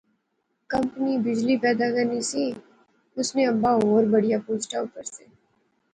کمپنی بجلی پیدا کرنی سی، اس نے ابا ہور بڑیا پوسٹا اپر سے